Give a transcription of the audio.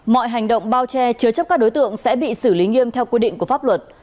mọi hành động bao che chứa chấp các đối tượng sẽ bị xử lý nghiêm theo quy định của pháp luật